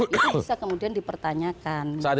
itu bisa kemudian dipertanyakan